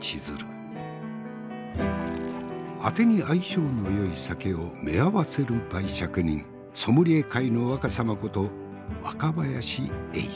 あてに相性のよい酒をめあわせる媒酌人ソムリエ界の若さまこと若林英司。